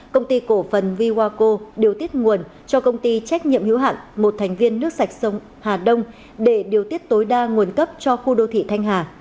công ty cổ phần vywaco điều tiết nguồn cho công ty trách nhiệm hữu hạn một thành viên nước sạch sông hà đông để điều tiết tối đa nguồn cấp cho khu đô thị thanh hà